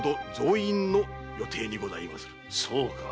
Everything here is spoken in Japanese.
そうか。